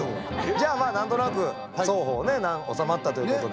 じゃあまあ何となく双方ね収まったということで。